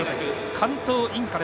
関東インカレ